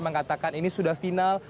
bahkan ini sudah final